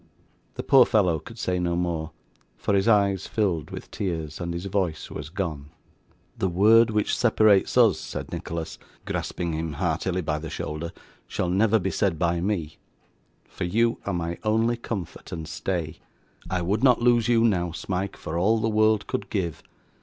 The poor fellow could say no more, for his eyes filled with tears, and his voice was gone. 'The word which separates us,' said Nicholas, grasping him heartily by the shoulder, 'shall never be said by me, for you are my only comfort and stay. I would not lose you now, Smike, for all the world could give.